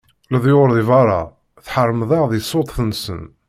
Leḍyur di berra, tḥermeḍ-aɣ di ṣṣut-nsen.